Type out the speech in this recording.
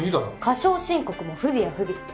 過少申告も不備は不備。